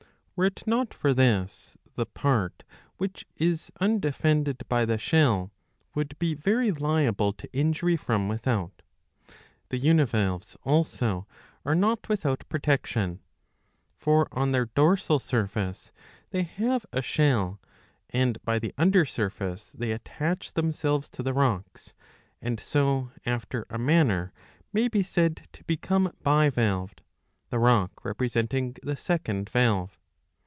Were it not for this, the part which is undefended by the shell would be very liable to injury from without. The Univalves also are not without pro tection. For on their dorsal surface they have a shell, and by the under surface they attach themselves to the rocks, and so after a manner may be said to become bivalved, the rock representing the second valve.